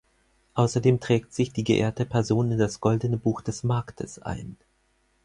Außerdem trägt sich die geehrte Person in das Goldene Buch des Marktes ein.